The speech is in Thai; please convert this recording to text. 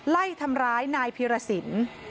ไล่ทำร้ายนายเพียรศิลป์